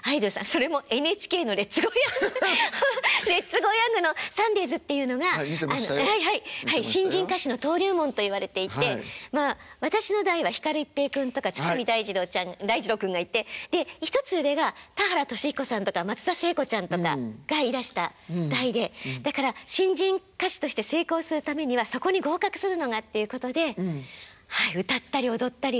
それもＮＨＫの「レッツゴーヤング」「レッツゴーヤング」のサンデーズっていうのが新人歌手の登竜門といわれていてまあ私の代はひかる一平君とか堤大二郎ちゃん大二郎君がいてで１つ上が田原俊彦さんとか松田聖子ちゃんとかがいらした代でだから新人歌手として成功するためにはそこに合格するのがっていうことで歌ったり踊ったりを。